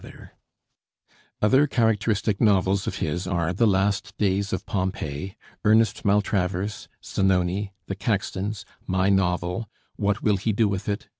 Other characteristic novels of his are 'The Last Days of Pompeii,' 'Ernest Maltravers,' 'Zanoni,' 'The Caxtons,' 'My Novel,' 'What Will He Do with It?'